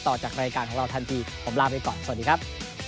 ต่อจากรายการของเราทันทีผมลาไปก่อนสวัสดีครับ